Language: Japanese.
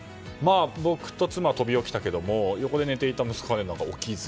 僕と妻は飛び起きたけども横で寝ていた息子は起きず。